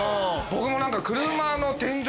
僕も。